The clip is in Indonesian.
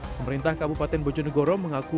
pemerintah kabupaten bojonegoro mengaku